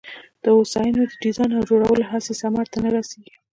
د هوساینه د ډیزاین او جوړولو هڅې ثمر ته نه رسېږي.